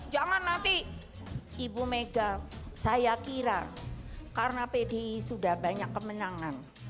jangan nanti ibu mega saya kira karena pdi sudah banyak kemenangan